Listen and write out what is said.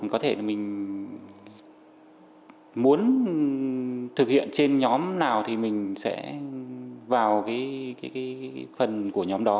có thể mình muốn thực hiện trên nhóm nào thì mình sẽ vào phần của nhóm đó